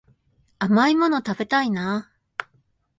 甘いもの食べたいな